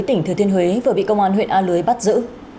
tỉnh thừa thiên huế vừa bị công an huyện a lưới bắt giữ